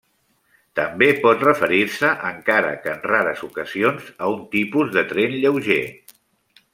També pot referir-se, encara que en rares ocasions, a un tipus de tren lleuger.